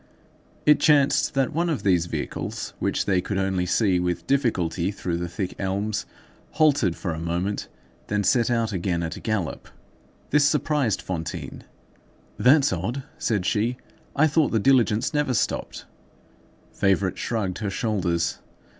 It chanced that one of these vehicles, which they could only see with difficulty through the thick elms, halted for a moment, then set out again at a gallop. This surprised Fantine. "That's odd!" said she. "I thought the diligence never stopped." Favourite shrugged her shoulders.